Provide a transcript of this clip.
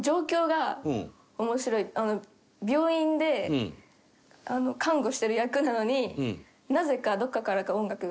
病院で看護してる役なのになぜかどこからか音楽が。